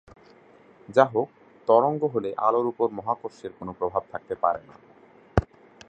যাহোক, তরঙ্গ হলে আলোর উপর মহাকর্ষের কোন প্রভাব থাকতে পারেনা।